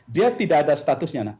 dia tidak ada statusnya